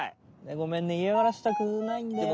ごめんねいやがらせたくないんだよ。